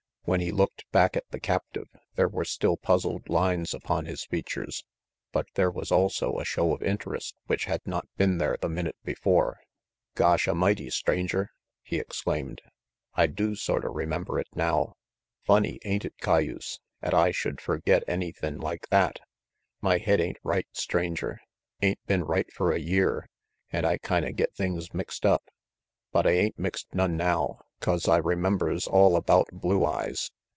When he looked back at the captive there were still puzzled lines upon his features, but there was also a show of interest which had not been there the minute before. RANGY PETE 93 "Gosh A'mighty, Stranger! " he exclaimed, "I do sorta remember it now. Funny, ain't it, cayuse, 'at I should ferget anythin' like that? My head ain't right, Stranger, ain't been right fer a year, an' I kinda get things mixed up. But I ain't mixed none now, 'cause I remembers all about Blue Eyes.